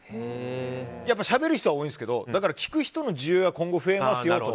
やっぱりしゃべる人は多いんですけどだから聞く人の需要は今後増えますよって。